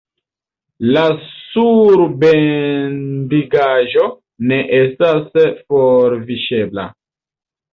La surbendigaĵo ne estas forviŝebla.